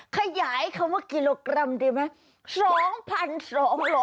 ขยายคำว่ากิโลกรัมดีไหม